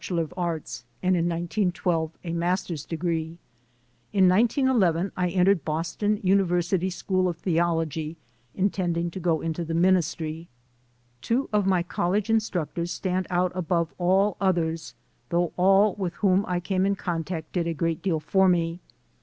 B., and in 1912 an A. M. In 1911 I entered Boston University School of Theology, intending to go into the ministry. Two of my college instructors stand out above all others, though all with whom I came in contact did a great deal for me.